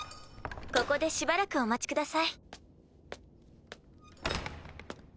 ここでしばらくお待ちください。